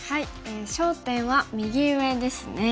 焦点は右上ですね。